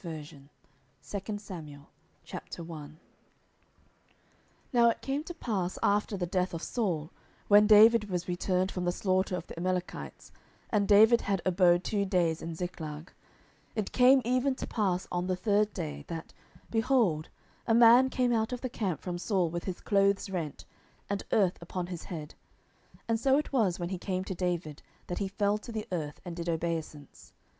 Book 10 2 Samuel 10:001:001 Now it came to pass after the death of Saul, when David was returned from the slaughter of the Amalekites, and David had abode two days in Ziklag; 10:001:002 It came even to pass on the third day, that, behold, a man came out of the camp from Saul with his clothes rent, and earth upon his head: and so it was, when he came to David, that he fell to the earth, and did obeisance.